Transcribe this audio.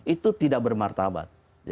itu tidak bermartabat